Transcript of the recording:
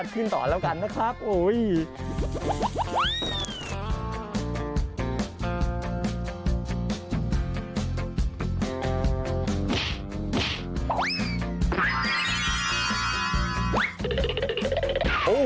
ของอย่างนี้ครับผมขออนุญาตลงไลน์พรุ่งนี้นะครับ